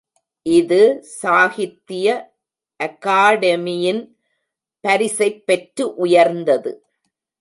இது சாகித்திய அகாடெமியின் பரிசைப் பெற்று உயர்ந்தது.